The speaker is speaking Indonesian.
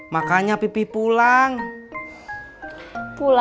kakak bisa jatuh ya